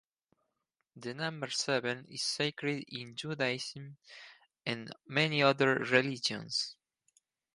The number seven is sacred in Judaism and many other religions.